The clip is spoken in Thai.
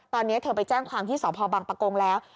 ตอนนี้เธอไปแจ้งความที่สพบังปะโกงแล้ว